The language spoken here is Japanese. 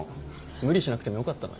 無理しなくてもよかったのに。